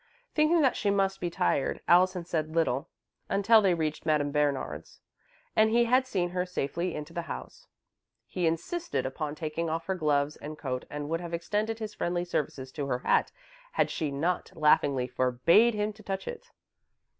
Thinking that she must be tired, Allison said little until they reached Madame Bernard's, and he had seen her safely into the house. He insisted upon taking off her gloves and coat and would have extended his friendly services to her hat, had she not laughingly forbade him to touch it.